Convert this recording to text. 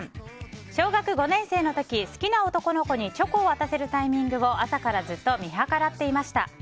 小学５年生の時好きな男の子にチョコを渡せるタイミングを朝からずっと見計らっていました。